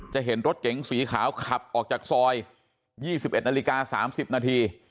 จะเห็นรถเก๋งสีขาวขับออกจากซอย๒๑นาฬิกา๓๐นาที